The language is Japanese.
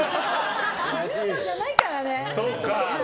柔道じゃないからね。